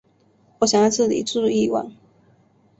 我想在这里住一晚